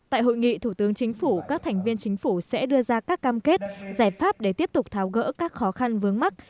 tại hội nghị thủ tướng chính phủ các thành viên chính phủ sẽ đưa ra các cam kết giải pháp để tiếp tục tháo gỡ các khó khăn vướng mắt